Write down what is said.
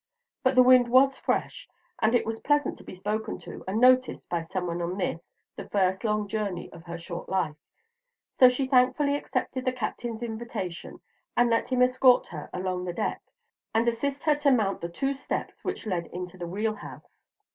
But the wind was fresh, and it was pleasant to be spoken to and noticed by some one on this, the first long journey of her short life; so she thankfully accepted the Captain's invitation, and let him escort her along the deck, and assist her to mount the two steps which led into the wheel house.